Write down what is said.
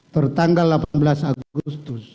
pertanggal delapan belas agustus